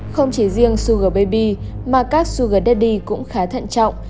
không chỉ riêng sugar baby mà các sugar daddy cũng khá thận trọng